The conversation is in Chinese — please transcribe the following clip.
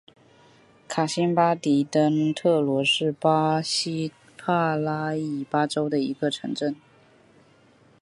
卡辛巴迪登特罗是巴西帕拉伊巴州的一个市镇。